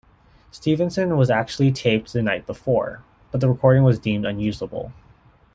Stevenson was actually taped the night before, but the recording was deemed unusable.